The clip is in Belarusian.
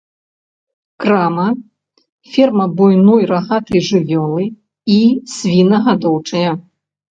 Крама, ферма буйной рагатай жывёлы і свінагадоўчая.